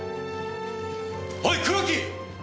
おい黒木！